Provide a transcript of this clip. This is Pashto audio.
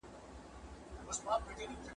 د ونو ښکلا همدغه د ځنګدن `